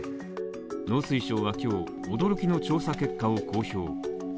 農水省は今日、驚きの調査結果を公表。